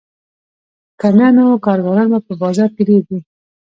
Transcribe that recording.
که نه نو کارګران په بازار کې ډېر دي